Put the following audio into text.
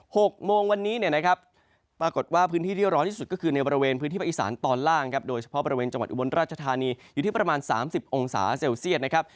หกโมงวันนี้เนี่ยนะครับปรากฏว่าพื้นที่ที่ร้อนที่สุดก็คือในบริเวณพื้นที่ภาคอีสานตอนล่างครับโดยเฉพาะบริเวณจังหวัดอุบลราชธานีอยู่ที่ประมาณสามสิบองศาเซลเซียตนะครับ